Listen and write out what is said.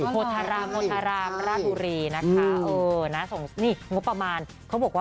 โพธารามโพธารามราดุรีนะคะ